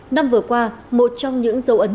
năm vừa qua một trong những dấu ấn